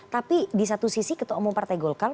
tapi di satu sisi ketua umum partai golkar